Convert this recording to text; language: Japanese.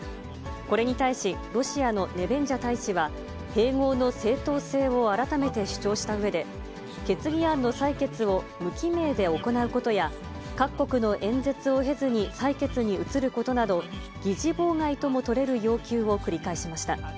これに対し、ロシアのネベンジャ大使は、併合の正当性を改めて主張したうえで、決議案の採決を無記名で行うことや、各国の演説を経ずに、採決に移ることなど、議事妨害とも取れる要求を繰り返しました。